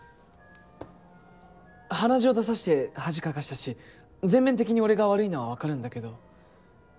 鼻血を出さして恥かかしたし全面的に俺が悪いのは分かるんだけど。